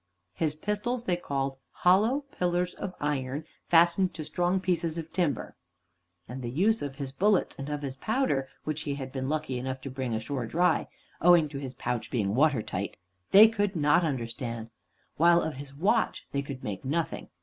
His pistols they called "hollow pillars of iron, fastened to strong pieces of timber," and the use of his bullets, and of his powder (which he had been lucky enough to bring ashore dry, owing to his pouch being water tight), they could not understand, while of his watch they could make nothing.